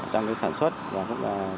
trong cái sản xuất và cũng là